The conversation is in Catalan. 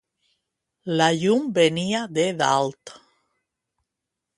La llum venia de dalt.